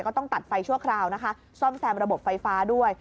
ก็ต้องตัดไฟชั่วคราวนะคะซ่อมแซมระบบไฟฟ้าด้วย